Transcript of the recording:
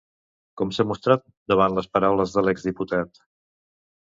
Com s'ha mostrat davant les paraules de l'exdiputat?